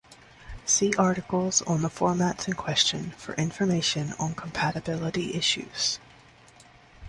See articles on the formats in question for information on compatibility issues.